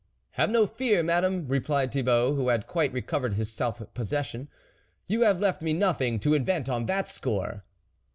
" Have no fear, Madame," replied Thi bault, who had quite recovered his self possession, " you have left me nothing to invent on that score."